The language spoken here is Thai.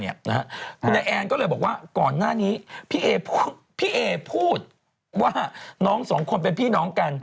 น่าเด็กกับยาย่าเป็นรายการน่าเด็กยาย่าเป็นพี่น้อง